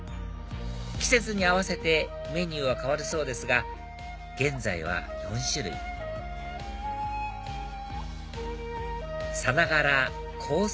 季節に合わせてメニューは変わるそうですが現在は４種類さながらコース